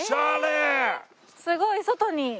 ええすごい外に。